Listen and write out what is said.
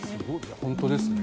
本当ですね。